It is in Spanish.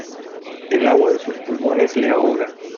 el agua de sus pulmones le ahoga.